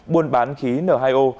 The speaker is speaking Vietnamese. buôn bán khí n hai o